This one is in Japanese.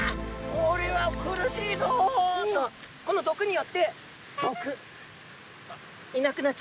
おれは苦しいぞ！」とこの毒によってどく。